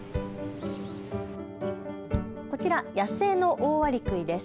こちら、野生のオオアリクイです。